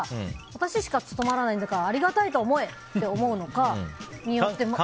私しか務まらないんだからありがたいと思えと思うのか。